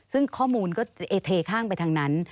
ซึ่งข้อมูลก็เอเทข้างไปทางนั้น